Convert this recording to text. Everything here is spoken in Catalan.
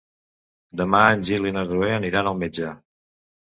Demà en Gil i na Zoè aniran al metge.